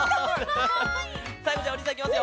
さいごじゃあおにいさんいきますよ！